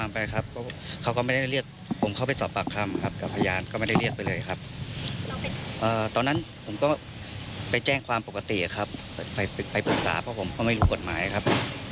ปกติครับไปปรึกษาเพราะผมก็ไม่รู้กฎหมายครับ